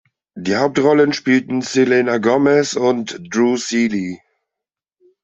Die Hauptrollen spielten Selena Gomez und Drew Seeley.